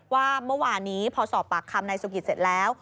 ว่าเมื่อวานนี้พอสอบปากคำนายสุกิตเสร็จแล้ว